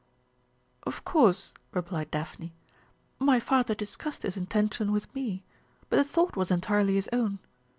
"Of course," replied Daphne, "my father discussed his intention with me, but the thought was entirely his own.